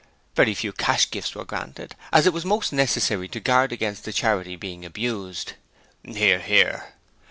Very few cash gifts were granted, as it was most necessary to guard against the Charity being abused. (Hear, hear.)